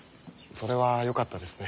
それはよかったですね。